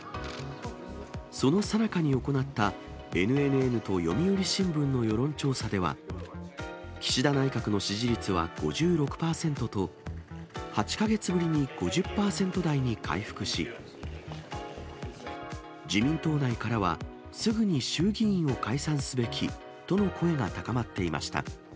そのさなかに行ったＮＮＮと読売新聞の世論調査では、岸田内閣の支持率は５６％と、８か月ぶりに５０％台に回復し、自民党内からはすぐに衆議院を解散すべきとの声が高まっていました。